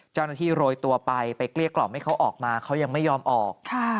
โรยตัวไปไปเกลี้ยกล่อมให้เขาออกมาเขายังไม่ยอมออก